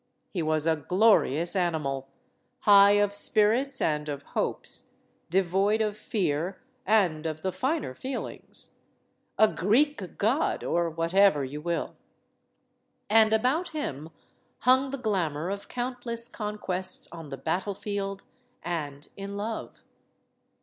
He was a glorious animal, high of spirits and of hopes, devoid of fear and of the finer feelings. A Greek god or whatever you will. And about him hung the glamour of countless conquests on the battlefield and in love.